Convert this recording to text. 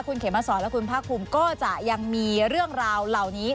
คุณเขมสอนและคุณภาคภูมิก็จะยังมีเรื่องราวเหล่านี้